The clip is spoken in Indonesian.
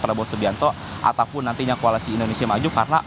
prabowo gibran ataupun nantinya koalisi indonesia maju